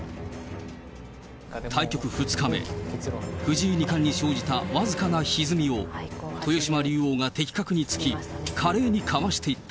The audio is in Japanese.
対局２日目、藤井二冠に生じた僅かなひずみを、豊島竜王が的確に突き、華麗にかわしていった。